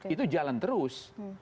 itu jalan terus